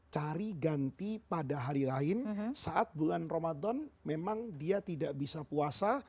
cari ganti pada hari lain saat bulan ramadan memang dia tidak bisa puasa